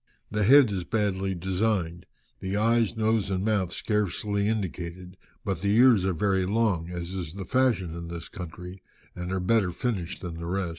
The head is badly designed, the eyes, nose, and mouth scarcely indicated, but the ears are very long, as is the fashion in this country, and are better finished than the rest."